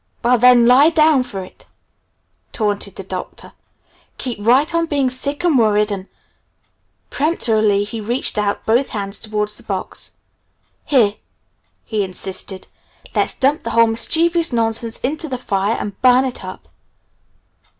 "Well, then lie down for it," taunted the Doctor. "Keep right on being sick and worried and ." Peremptorily he reached out both hands towards the box. "Here!" he insisted. "Let's dump the whole mischievous nonsense into the fire and burn it up!"